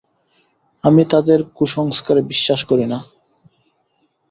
আমি তাদের কুসংস্কারে বিশ্বাস করি না।